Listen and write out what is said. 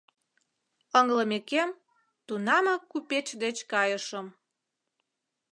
Ыҥлымекем, тунамак купеч деч кайышым.